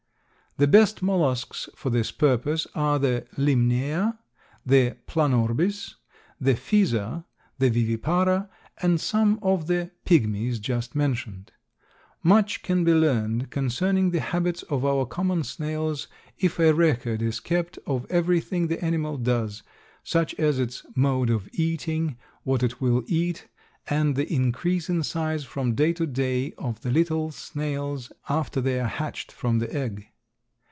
The best Mollusks for this purpose are the Limnaea, the Planorbis, the Physa, the Vivipara and some of the "pigmies" just mentioned. Much can be learned concerning the habits of our common snails if a record is kept of everything the animal does, such as its mode of eating, what it will eat and the increase in size from day to day of the little snails after they are hatched from the egg.